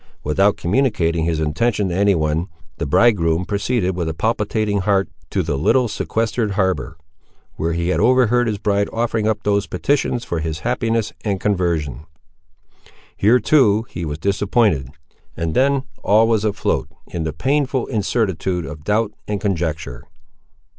Without communicating his intention to any one, the bridegroom proceeded with a palpitating heart to the little sequestered arbour, where he had overheard his bride offering up those petitions for his happiness and conversion. Here, too, he was disappointed; and then all was afloat, in the painful incertitude of doubt and conjecture.